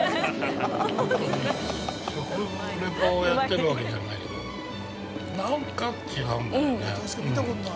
食レポをやってるわけじゃないけど何か違うんだよね。